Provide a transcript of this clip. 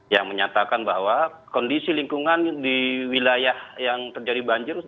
yang menyatakan bahwa kondisi lingkungan dari wilayah terjadi banjir